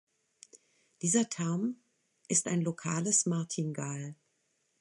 Dieser Term ist ein lokales Martingal.